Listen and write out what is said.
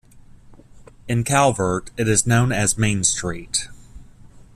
In Calvert, it is known as Main Street.